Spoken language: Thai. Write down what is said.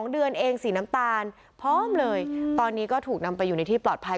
๒เดือนเองสีน้ำตาลพร้อมเลยตอนนี้ก็ถูกนำไปอยู่ในที่ปลอดภัย